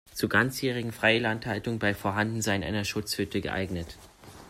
Zur ganzjährigen Freilandhaltung bei Vorhandensein einer Schutzhütte geeignet.